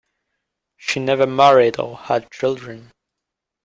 She never married or had children.